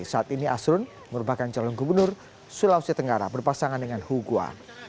saat ini asrun merupakan calon gubernur sulawesi tenggara berpasangan dengan hugua